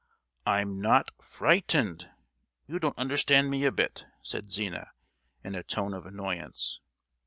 "I'm not frightened; you don't understand me a bit!" said Zina, in a tone of annoyance.